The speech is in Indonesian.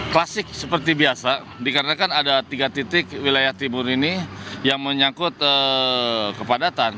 klasik seperti biasa dikarenakan ada tiga titik wilayah timur ini yang menyangkut kepadatan